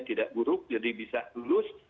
tidak buruk jadi bisa lulus